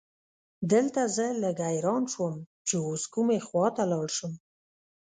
دلته زه لږ حیران شوم چې اوس کومې خواته لاړ شم.